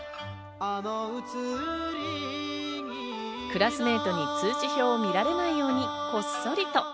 クラスメートに通知表を見られないように、こっそりと。